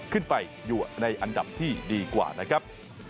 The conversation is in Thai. ขึ้นไปอยู่ในอันดับที่ดีกว่านะครับ